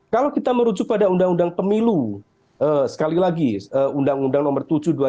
kalau kita merujuk pada undang undang pemilu sekali lagi undang undang nomor tujuh